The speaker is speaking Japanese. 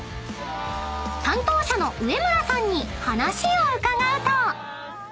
［担当者の植村さんに話を伺うと］